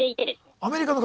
アメリカの株？